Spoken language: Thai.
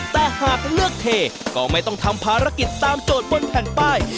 แต่หากเลือกเทก็ไม่ต้องทำภารกิจตามโจทย์บนแผ่นป้าย